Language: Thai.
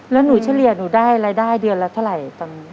แล้วหนูเฉลี่ยหนูได้รายได้เดือนละเท่าไหร่ตอนนี้